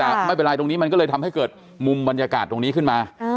แต่ไม่เป็นไรมันก็เลยทำให้เกิดมุมบรรยากาศขึ้นมา